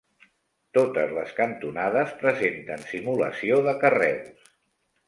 Totes les cantonades presenten simulació de carreus.